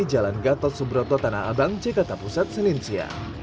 jalan gatot subroto tanah abang cekata pusat seninsia